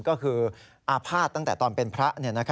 ก็คืออาภาษณ์ตั้งแต่ตอนเป็นพระ